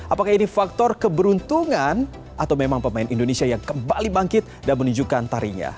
apakah ini faktor keberuntungan atau memang pemain indonesia yang kembali bangkit dan menunjukkan tarinya